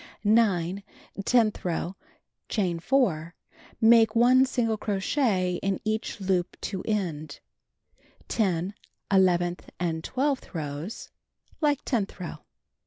9. Tenth row : Chain 4. Make 1 single crochet in each loop to end, 10. Eleventh and twelfth rows: Like tenth row.